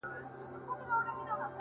لکه کنگل تودو اوبو کي پروت يم ـ